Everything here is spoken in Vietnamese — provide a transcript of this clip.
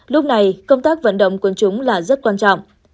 lúc này công tác vận động quân chúng là rất quan trọng